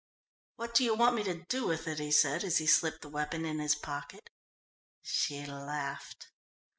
"What do you want me to do with it?" he said as he slipped the weapon in his pocket. She laughed.